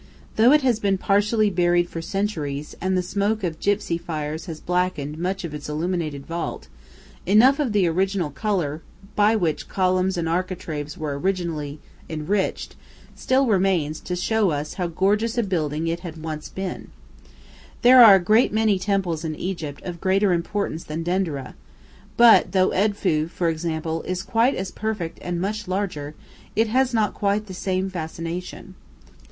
Though it has been partially buried for centuries, and the smoke of gipsy fires has blackened much of its illuminated vault, enough of the original colour by which columns and architraves were originally enriched still remains to show us how gorgeous a building it once had been. There are a great many temples in Egypt of greater importance than Dendereh, but though Edfu, for example, is quite as perfect and much larger, it has not quite the same fascination.